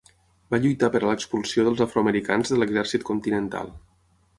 Va lluitar per a l'expulsió dels afroamericans de l'Exèrcit Continental.